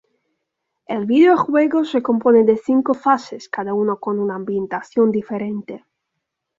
El videojuego se compone de cinco fases, cada uno con una ambientación diferente.